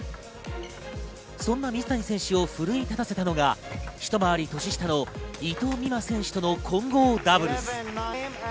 そんな水谷選手を奮い立たせたのがひと回り年下の伊藤美誠選手との混合ダブルス。